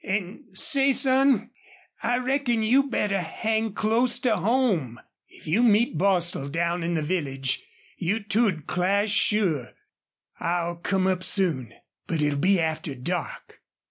An' say, son, I reckon you'd better hang close to home. If you meet Bostil down in the village you two'd clash sure. I'll come up soon, but it'll be after dark."